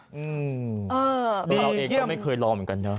เราเองก็ไม่เคยรอเหมือนกันนะ